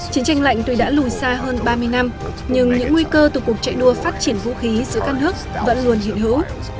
chiến tranh lạnh tuy đã lùi xa hơn ba mươi năm nhưng những nguy cơ từ cuộc chạy đua phát triển vũ khí giữa các nước vẫn luôn hiện hữu